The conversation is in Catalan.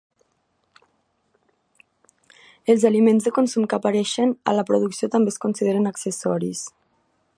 Els aliments de consum que apareixen a la producció també es consideren accessoris.